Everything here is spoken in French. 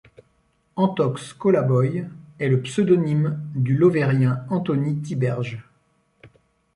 Anthox Colaboy est le pseudonyme du lovérien Anthony Thiberge.